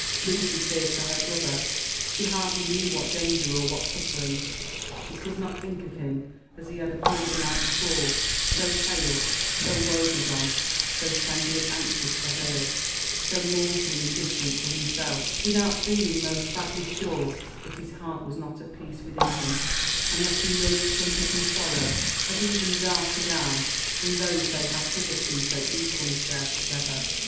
Lucy feared for her brother, she hardly knew what danger or what suffering; but she could not think of him as he had appeared the night before — so pale, so woe begone — so tenderly anxious for her, so mournfully indifferent for himself, without feeling most sadly sure that his heart was not at peace within him, and that he nourished some hidden sorrow of even darker dye Oian Ifaos^ they had hitherto so e^Hy shared together.